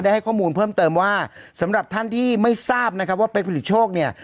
ให้ข้อมูลเพิ่มเติมว่าสำหรับท่านที่ไม่ทราบนะครับว่าเป๊กผลิตโชคเนี่ย